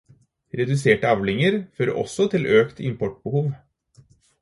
Reduserte avlinger fører også til økt importbehov.